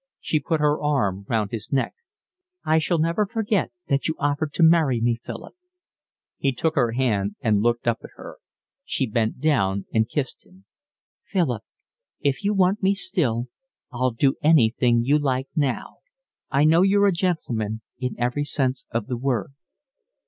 She put her arm round his neck. "I shall never forget that you offered to marry me, Philip." He took her hand and looked up at her. She bent down and kissed him. "Philip, if you want me still I'll do anything you like now. I know you're a gentleman in every sense of the word."